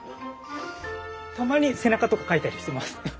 たまに背中とかかいたりしてます。